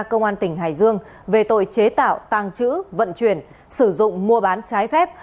công an tỉnh hải dương về tội chế tạo tàng trữ vận chuyển sử dụng mua bán trái phép